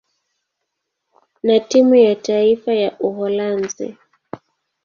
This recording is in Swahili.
na timu ya taifa ya Uholanzi.